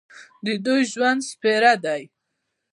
د دوی ژوند سپېره دی.